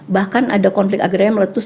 bahkan ada konflik agram meletus